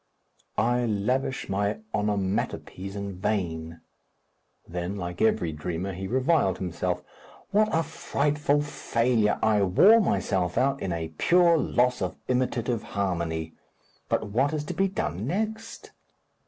"I lavish my onomatopies in vain." Then, like every dreamer, he reviled himself. "What a frightful failure! I wore myself out in a pure loss of imitative harmony. But what is to be done next?"